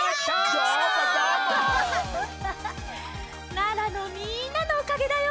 奈良のみんなのおかげだよ。